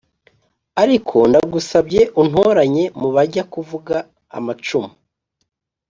ariko ndagusabye untoranye mubajya kuvuga amacumu"